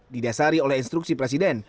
didasari oleh instruksi presiden